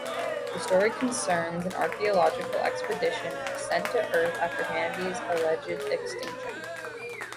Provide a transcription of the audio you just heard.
The story concerns an archaeological expedition sent to Earth after humanity's alleged extinction.